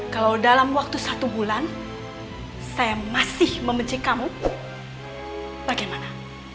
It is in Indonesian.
kalau dalam waktu satu bulan saya masih membenci kamu bagaimana